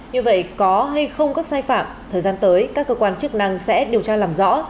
như vậy có hay không có sai phạm thời gian tới các cơ quan chức năng sẽ điều tra làm rõ